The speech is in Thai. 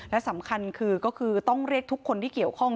และสำคัญคือก็คือต้องเรียกทุกคนที่เกี่ยวข้อง